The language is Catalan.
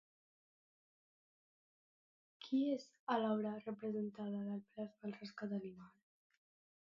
De qui és l'obra presentada que plasma el rescat animal?